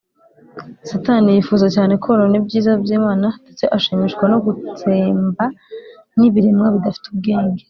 satani yifuza cyane konona ibyiza by’imana, ndetse ashimishwa no gutsemba n’ibiremwa bidafite ubwenge